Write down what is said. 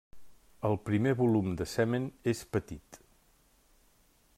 El primer volum de semen és petit.